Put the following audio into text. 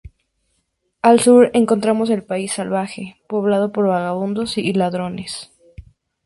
Al sur encontramos el País salvaje, poblado por vagabundos y ladrones.